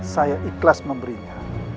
saya ikhlas memberinya